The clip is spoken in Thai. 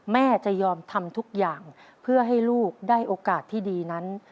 แม่จะยอมทำทุกอย่างเพื่อให้ลูกได้โอกาสที่ดีนั้น